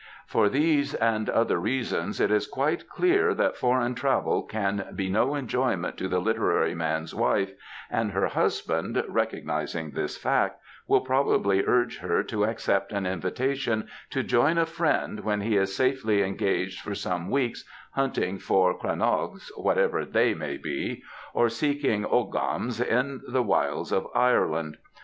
For these and other reasons it is quite clear that foreign travel can be no enjoyment to the literary man'^s wife, and her husband, recognising this fact, will probably urge her to accept an invitation to join a friend when he is safely engaged for some weeks hunting for crannoga^ whatever they may be, or seeking oghams in the wilds of Ireland.